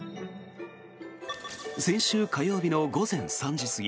先週火曜日の午前３時過ぎ。